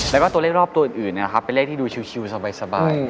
และว่าเลขรอบตัวอื่นเป็นเลขที่ดูชิวสบาย